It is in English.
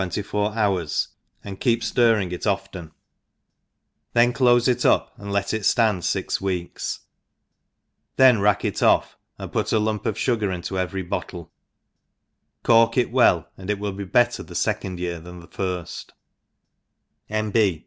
nty four hoqrs, and keep ftirring it often, then clofe it up, and let it fland fix weeks^ (hen rack it off, and p\xt a lump of fugar into every bottle, cork it well, and it will be better the feeond year than the firft, iV^ B.